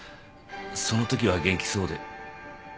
そのときは元気そうで。